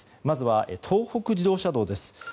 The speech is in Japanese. まずは東北自動車道です。